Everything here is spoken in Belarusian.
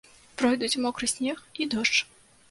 Пройдуць мокры снег і дождж.